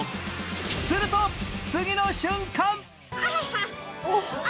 すると次の瞬間！